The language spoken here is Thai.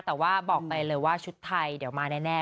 แต่ว่าบอกไปเลยว่าชุดไทยเดี๋ยวมาแน่